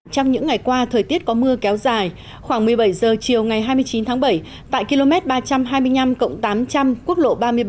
trong những ngày qua thời tiết có mưa kéo dài khoảng một mươi bảy h chiều ngày hai mươi chín tháng bảy tại km ba trăm hai mươi năm tám trăm linh quốc lộ ba mươi bảy